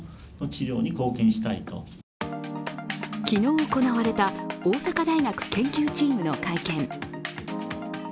昨日行われた大阪大学研究チームの会見。